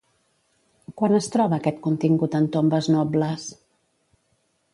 Quan es troba aquest contingut en tombes nobles?